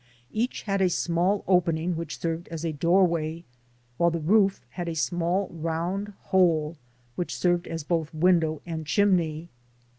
Each had a small opening which served as a doorway, while the roof had a small round hole which served as both window and chimney.